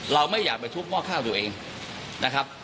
เราไม่อยากไปทุบหม้อข้าวทุกคน